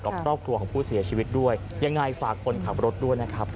ครอบครัวของผู้เสียชีวิตด้วยยังไงฝากคนขับรถด้วยนะครับ